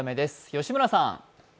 吉村さん。